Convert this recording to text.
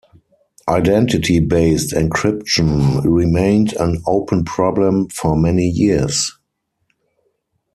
Identity-based encryption remained an open problem for many years.